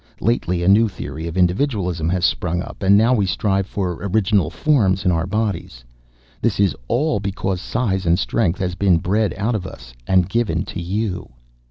Lately a new theory of individualism has sprung up, and now we strive for original forms in our bodies. This is all because size and strength has been bred out of us and given to you."